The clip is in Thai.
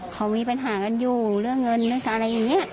เขามีปัญหากันอยู่เรื่องเงินเรื่องอะไรอย่างนี้